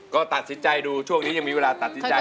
ก็ตัดสินใจดูช่วงนี้ยังมีเวลาตัดสินใจ